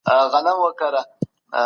د چاپیریال ساتنه د ځمکې لپاره اهمیت لري.